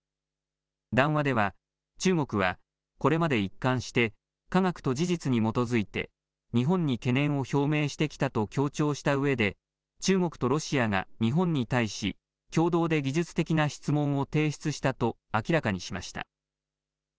談話では中国はこれまで一貫して科学と事実に基づいて日本に懸念を表明してきたと強調したうえで中国とロシアが日本に対し共同で技術的な質問を提出したと明らかにしました。